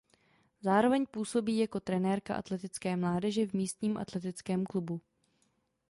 Zároveň působí jako trenérka atletické mládeže v místním atletickém klubu.